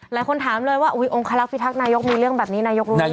หลายคนถามเลยว่าองคลักษิทักษ์นายกมีเรื่องแบบนี้นายกรู้ไหม